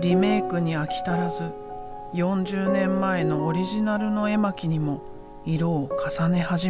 リメイクに飽き足らず４０年前のオリジナルの絵巻にも色を重ね始めた。